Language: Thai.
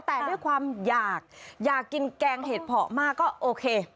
แต่ด้วยความอยากอยากกินแกงเห็ดเพาะมากก็โอเค